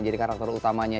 jadi karakter utamanya